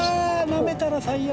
なめたら最悪！